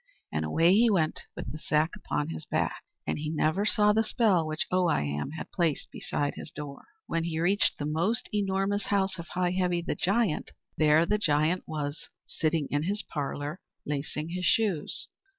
And away he went with the sack upon his back. And he never saw the spell which Oh I Am had placed beside his door. When he reached the Most Enormous House of Heigh Heavy the Giant, there the giant was, sitting in his parlour lacing his shoes.